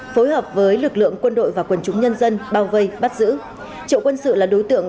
phối hợp với lực lượng quân đội và quân chúng nhân dân bao vây bắt giữ triệu quân sự là đối tượng